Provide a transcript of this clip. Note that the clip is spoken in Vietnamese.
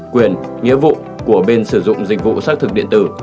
quyền nghĩa vụ của bên sử dụng dịch vụ xác thực điện tử